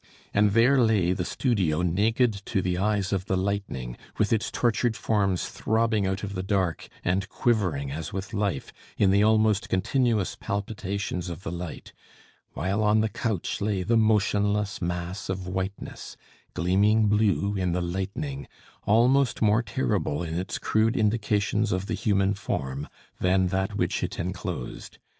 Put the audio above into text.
And there lay the studio naked to the eyes of the lightning, with its tortured forms throbbing out of the dark, and quivering, as with life, in the almost continuous palpitations of the light; while on the couch lay the motionless mass of whiteness, gleaming blue in the lightning, almost more terrible in its crude indications of the human form, than that which it enclosed.